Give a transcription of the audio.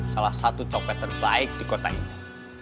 salah satu copet terbaik di kota ini